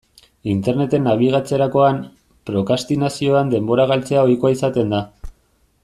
Interneten nabigatzerakoan, prokrastinazioan denbora galtzea ohikoa izaten da.